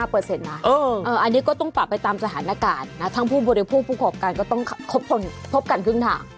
อันนี้ก็ต้องปรับไปตามสถานการณ์ทั้งผู้บริโภคผู้ขอการก็ต้องพบกันครึ่งทาง